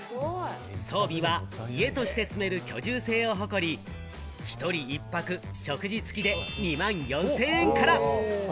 装備は家として住める居住性を誇り、１人一泊、食事付きで２万４０００円から。